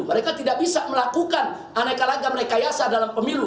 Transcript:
mereka tidak bisa melakukan aneka lagam rekayasa dalam pemilu